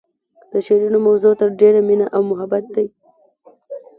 د شعرونو موضوع تر ډیره مینه او محبت دی